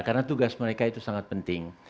karena tugas mereka itu sangat penting